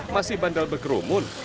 masih bandel berkerumun